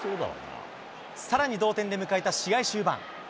さらに同点で迎えた試合終盤。